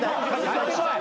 帰ってこい。